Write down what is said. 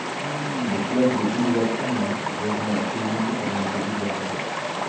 Le club des Ilhwa Chunma rejoint la K-League avant le début de saison.